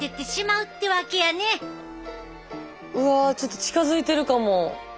うわちょっと近づいてるかも。